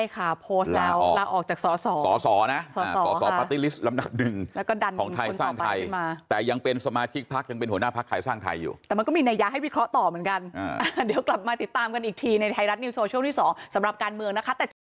ขอบต่อเหมือนกันเดี๋ยวกลับมาติดตามกันอีกทีในไทยรัฐนิวโชว์ช่วงที่๒สำหรับการเมืองนะคะ